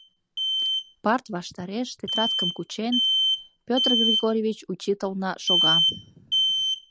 Парт ваштареш, тетрадкым кучен, Петр Григорьевич учитылна шога.